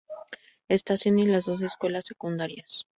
Estación, y las dos escuelas secundarias.